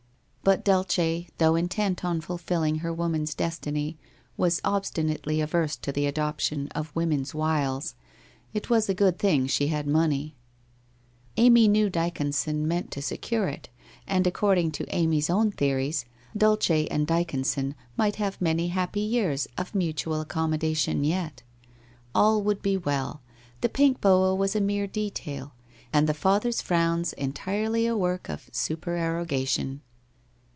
But Dulce, though intent on fulfilling her woman's destiny, was obstinately averse to the adop tion of woman's wiles — it was a good thing she had money ! Amy knew Dyconson meant to secure it, and according to Amy's own theories, Dulce and Dyconson might have many 86 WHITE ROSE OF WEARY LEAF 87 happy years of mutual accommodation yet. All would be well, the pink boa was a mere detail, and the father's frowns entirely a work of supererogation.